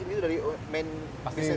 ini dari main bisnis